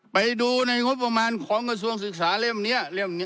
ไปดูในงบประมาณของกระทรวงศึกษาเล่มนี้เล่มนี้